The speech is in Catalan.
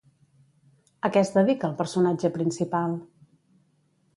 A què es dedica el personatge principal?